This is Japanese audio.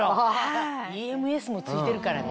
ＥＭＳも付いてるからね。